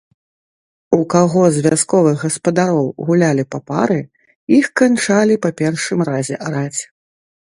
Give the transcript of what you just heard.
У каго з вясковых гаспадароў гулялі папары, іх канчалі па першым разе араць.